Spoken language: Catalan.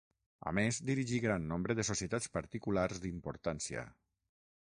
A més, dirigí gran nombre de societats particulars d'importància.